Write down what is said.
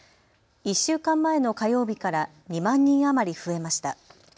１週間前の火曜日から２万人余り増えました。